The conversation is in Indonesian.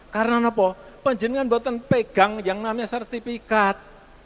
karena nopo penjenengan buatan pegang yang namanya sertifikat